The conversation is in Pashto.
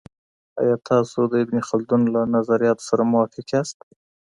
آیا تاسو د ابن خلدون له نظریاتو سره موافق یاست؟